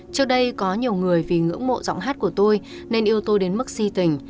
trước đây có nhiều người vì ngưỡng mộ giọng hát của tôi nên yêu tôi đến mức si tình